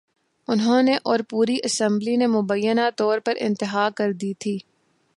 انہوں نے اور پوری اسمبلی نے مبینہ طور پر انتہا کر دی تھی۔